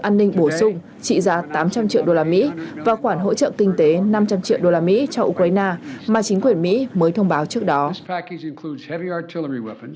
an ninh bổ sung trị giá tám trăm linh triệu usd và khoản hỗ trợ kinh tế năm trăm linh triệu usd cho ukraine mà chính quyền mỹ mới thông báo trước đó